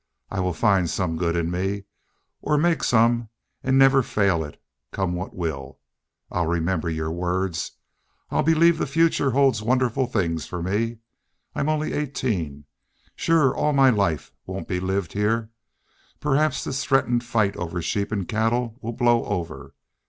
I'll find some good in me or make some and never fail it, come what will. I'll remember your words. I'll believe the future holds wonderful things for me.... I'm only eighteen. Shore all my life won't be lived heah. Perhaps this threatened fight over sheep and cattle will blow over....